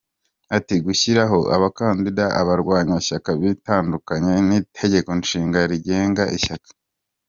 Ati “ Gushyiriraho abakandida abarwanashyaka bitandukanye n’itegeko nshinga rigenga ishyaka.